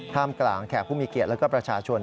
กลางแขกผู้มีเกียรติและก็ประชาชน